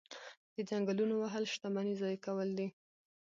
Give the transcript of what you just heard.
د ځنګلونو وهل شتمني ضایع کول دي.